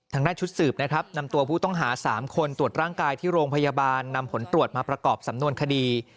ชุดสืบนะครับนำตัวผู้ต้องหา๓คนตรวจร่างกายที่โรงพยาบาลนำผลตรวจมาประกอบสำนวนคดี